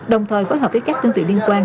đồng thời phối hợp với các tương tự liên quan